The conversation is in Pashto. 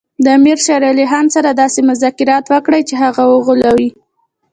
د امیر شېر علي خان سره داسې مذاکرات وکړي چې هغه وغولوي.